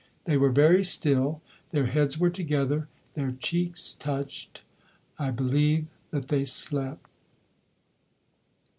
They were very still. Their heads were together, their cheeks touched. I believe that they slept.